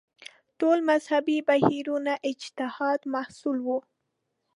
ټول مذهبي بهیرونه اجتهاد محصول وو